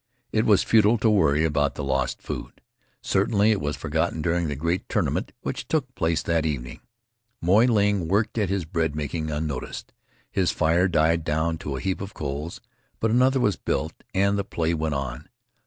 It was futile to worry about the lost food. Certainly it was forgotten during the great tournament which took place that evening. Moy Ling worked at his bread making unnoticed. His fire died down to a heap of coals, but another was built and the play went on.